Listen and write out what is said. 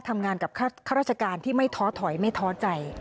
ทำงานกับข้าราชการที่ไม่ท้อถอยไม่ท้อใจ